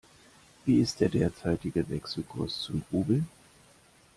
Wie ist der derzeitige Wechselkurs zum Rubel?